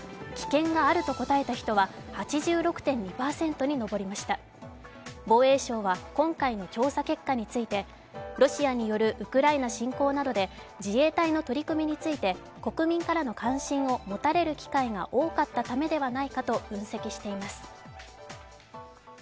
調査によりますと防衛省は今回の調査結果についてロシアによるウクライナ侵攻などで自衛隊の取り組みについて国民からの関心を持たれる機会が多かったためではないかと分析しています。